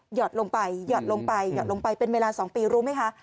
หยอดลงไปเป็นเวลา๒ปีรู้ไหมคะ